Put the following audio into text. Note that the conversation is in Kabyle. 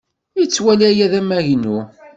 Yettwali aya d amagnu.